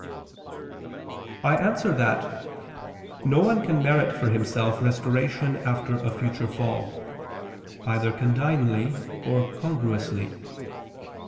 I answer that, No one can merit for himself restoration after a future fall, either condignly or congruously.